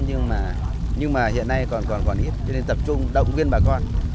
nhưng mà hiện nay còn còn còn ít cho nên tập trung động viên bà con